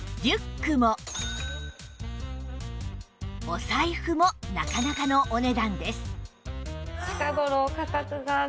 お財布もなかなかのお値段です